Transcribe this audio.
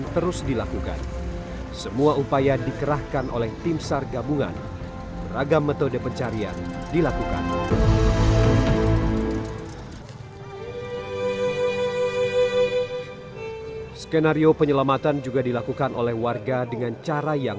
tuhan memperhorjasi dia tuhan dengan semaksimal mungkin